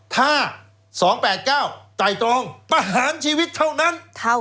ถ้า๒๘๙ไต่ตรองประหารชีวิตเท่านั้น